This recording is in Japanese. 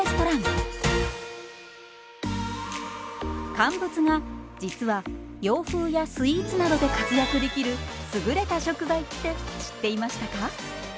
乾物が実は洋風やスイーツなどで活躍できる優れた食材って知っていましたか？